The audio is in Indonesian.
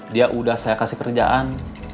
dia udah saya kasih kerjaan